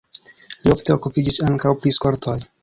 Li ofte okupiĝis ankaŭ pri skoltoj.